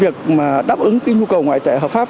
việc đáp ứng nhu cầu ngoại tệ hợp pháp